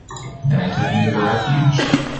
then I took them to the refuge